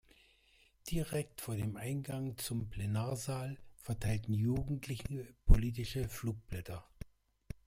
Direkt vor dem Eingang zum Plenarsaal verteilen Jugendliche politische Flugblätter.